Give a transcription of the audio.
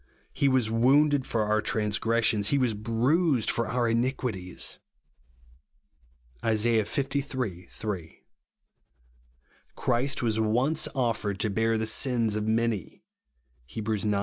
He was wounded for our transgressions, he was bruised for our iniquities," (Is. liii. 3). "Christ w^as once offered to bear the sins of many," (Heb. ix.